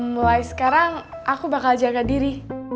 mulai sekarang aku bakal jaga diri